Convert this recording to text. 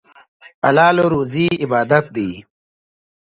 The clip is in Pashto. حلاله روزي عبادت دی.